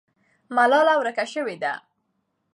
ملالۍ ورکه سوې ده.